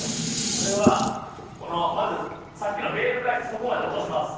これはこのまずさっきのベール返して底まで落とします。